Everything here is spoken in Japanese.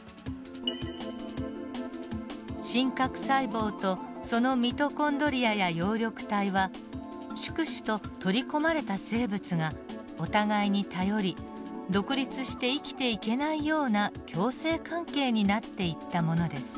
真核細胞とそのミトコンドリアや葉緑体は宿主と取り込まれた生物がお互いに頼り独立して生きていけないような共生関係になっていったものです。